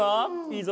いいぞ。